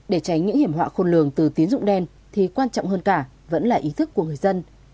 để tránh những hiểm họa khôn lường từ tín dụng đen thì quan trọng hơn cả vẫn là ý thức của người dân